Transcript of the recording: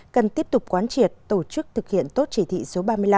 cần tiếp tục quán triệt tổ chức thực hiện tốt chỉ thị số ba mươi năm